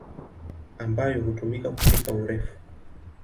ambayo hutumika kupika urefu.